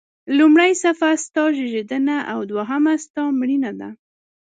لومړۍ صفحه ستا زیږېدنه او دوهمه ستا مړینه ده.